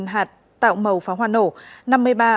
năm hạt tạo màu pháo hoa nổ